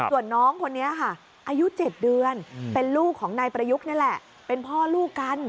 ส่วนน้องคนนี้ค่ะอายุ๗เดือนเป็นลูกของนายประยุกต์นี่แหละเป็นพ่อลูกกัน